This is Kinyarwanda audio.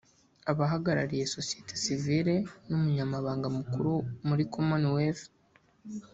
abahagarariye Sosiyete Sivile n’umunyamabanga mukuru wa muri Commonwealth)